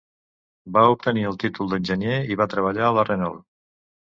Va obtenir el títol d'enginyer i va treballar a la Renault.